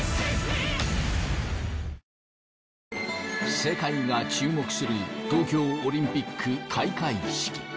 世界が注目する東京オリンピック開会式。